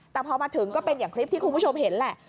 แต่พอมาถึงก็เป็นอย่างคลิปที่คุณผู้ชมเห็นแหละ